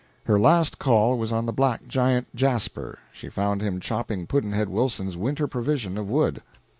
Her last call was on the black giant, Jasper. She found him chopping Pudd'nhead Wilson's winter provision of wood.